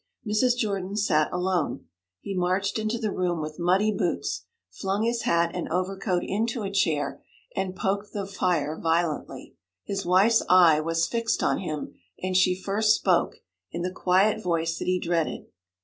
Mrs. Jordan sat alone. He marched into the room with muddy boots, flung his hat and overcoat into a chair, and poked the fire violently. His wife's eye was fixed on him, and she first spoke in the quiet voice that he dreaded.